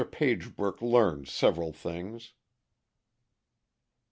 Pagebrook Learns Several Things.